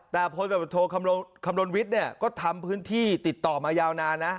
แต่โพดรสโทคำลุณวิทก็ทำพื้นที่ติดต่อมายาวนานนะ